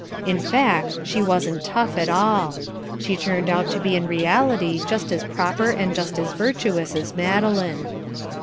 In fact she wasn't tough at all. She turned out to be in reality just as proper and just as virtuous as Madeline.